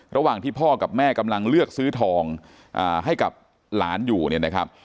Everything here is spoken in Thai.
ระหว่างที่พ่อกับแม่กำลังเลือกซื้อทองให้กับหลานอยู่เนี่ยนะครับ